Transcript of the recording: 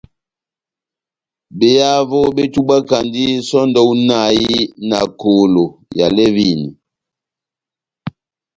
Behavo betubwakandi sɔndɛ hú inahi na kolo ya lɛvini.